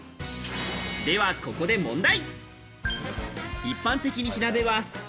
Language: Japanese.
では、ここで問題。